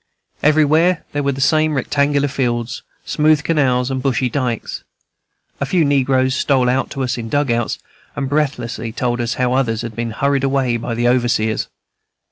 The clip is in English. Everywhere there were the same rectangular fields, smooth canals, and bushy dikes. A few negroes stole out to us in dugouts, and breathlessly told us how others had been hurried away by the overseers.